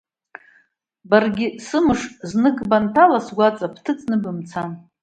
Баргьы, сымыш, знык банҭала сгәаҵа, бҭыҵны бымцан!